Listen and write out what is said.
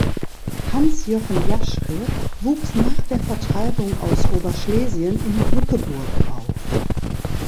Hans-Jochen Jaschke wuchs nach der Vertreibung aus Oberschlesien in Bückeburg auf.